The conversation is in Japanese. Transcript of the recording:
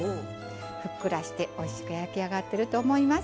ふっくらしておいしく焼き上がってると思います。